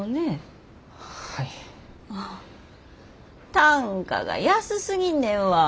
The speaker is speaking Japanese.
単価が安すぎんねんわ。